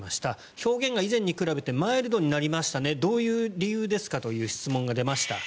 表現が前に比べてマイルドになりましたねどういう理由ですかという質問が出ました。